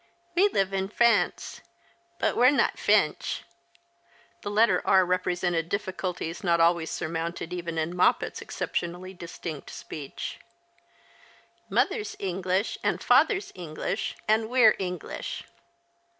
We live in F'ance, but we're not F'ench." The letter r represented difficulties not always surmounted even in Moppet's exceptionally distinct speech. " Mother's English, and father's English, and we're English."